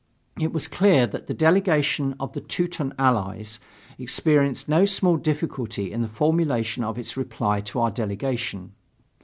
It was clear that the delegation of the Teuton Allies experienced no small difficulty in the formulation of its reply to our delegation.